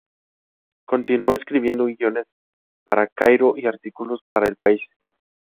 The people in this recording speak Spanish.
Continuó escribiendo guiones para "Cairo" y artículos para "El País".